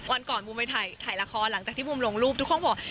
วันก่อนบูมไปถ่ายละครหลังจากที่บูมลงรูปทุกคนบอก